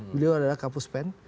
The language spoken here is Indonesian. beliau adalah kapus pan